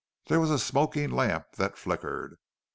There was a smoking lamp that flickered.